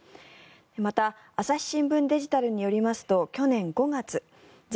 また朝日新聞デジタルによりますと去年５月在